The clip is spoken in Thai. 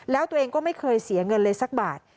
แล้วตัวเองก็ไม่เคยเสียเงินเลยสักบาท